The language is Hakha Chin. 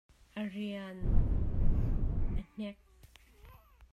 A rian aa hnek.